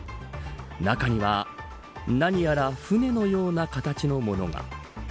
中には何やら船のような形のものが。